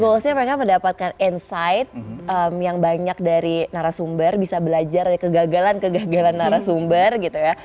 goalsnya mereka mendapatkan insight yang banyak dari narasumber bisa belajar dari kegagalan kegagalan narasumber gitu ya